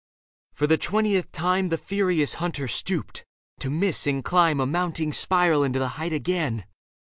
For the twentieth time The furious hunter stooped, to miss and climb A mounting spiral into the height again.